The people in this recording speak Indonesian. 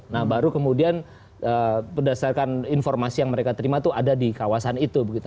nah baru kemudian berdasarkan informasi yang mereka terima itu ada di kawasan itu begitu